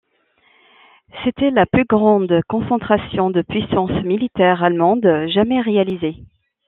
C'était la plus grande concentration de puissance militaire allemande jamais réalisée.